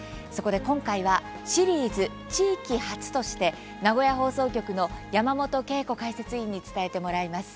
今回は、シリーズ地域発として名古屋放送局の山本恵子解説委員に伝えてもらいます。